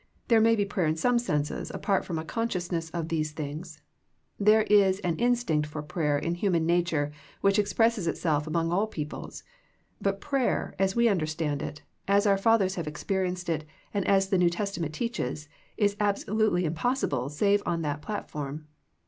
There may be prayer in some senses apart from a consciousness of these things. There is an instinct for prayer in human nature which expresses itself among all peoples ; but prayer, as we understand it, as our fathers have experienced it, and as the JSTew Testament teaches, is absolutely impossible save on that platform.